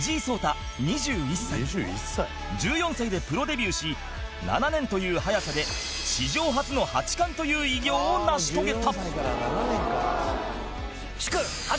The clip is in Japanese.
１４歳でプロデビューし７年という早さで史上初の八冠という偉業を成し遂げた